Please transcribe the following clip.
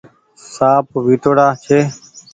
سآنپ وٺو ڙآ ڇي۔